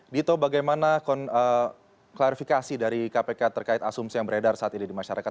dito bagaimana klarifikasi dari kpk terkait asumsi yang beredar saat ini di masyarakat